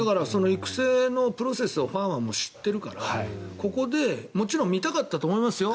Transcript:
育成のプロセスをファンが知っているからここでもちろん見たかったと思いますよ